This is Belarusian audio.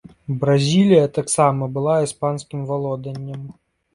Бразілія таксама была іспанскім валоданнем.